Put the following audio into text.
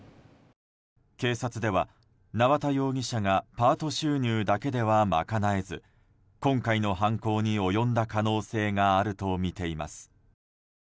警察では縄田容疑者がパート収入だけでは賄えず今回の犯行に及んだ可能性があるとみています。